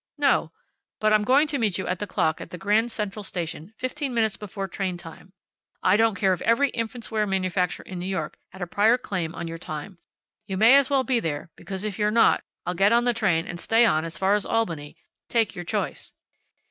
"No. But I'm going to meet you at the clock at the Grand Central Station fifteen minutes before train time. I don't care if every infants' wear manufacturer in New York had a prior claim on your time. You may as well be there, because if you're not I'll get on the train and stay on as far as Albany. Take your choice."